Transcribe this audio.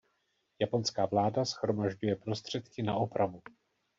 Japonská vláda shromažďuje prostředky na opravu.